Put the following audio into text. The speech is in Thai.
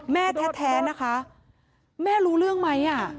แม่แท้นะคะแม่รู้เรื่องไหม